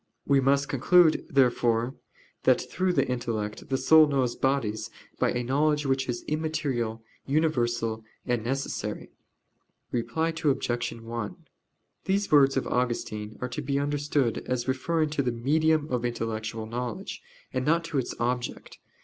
We must conclude, therefore, that through the intellect the soul knows bodies by a knowledge which is immaterial, universal, and necessary. Reply Obj. 1: These words of Augustine are to be understood as referring to the medium of intellectual knowledge, and not to its object.